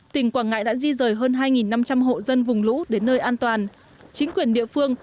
tỉnh quả là một trong những vùng rốn lũ gây ngập